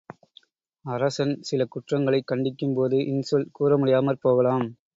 அரசன் சில குற்றங்களைக் கண்டிக்கும் போது இன்சொல் கூறமுடியாமற் போகலாம்.